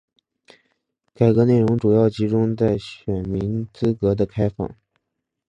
改革内容主要集中在选民资格的开放。